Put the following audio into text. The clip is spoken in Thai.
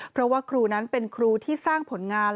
เพราะว่าครูนั้นเป็นครูที่สร้างผลงาน